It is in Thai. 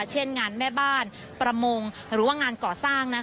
เช่นงานแม่บ้านประมงหรือว่างานก่อสร้าง